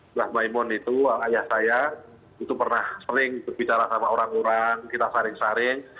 sebelah maimun itu ayah saya itu pernah sering berbicara sama orang orang kita saring saring